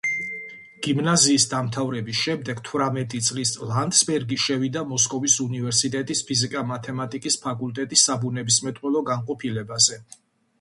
გიმნაზიის დამთავრების შემდეგ თვრამეტი წლის ლანდსბერგი შევიდა მოსკოვის უნივერსიტეტის ფიზიკა-მათემატიკის ფაკულტეტის საბუნებისმეტყველო განყოფილებაზე.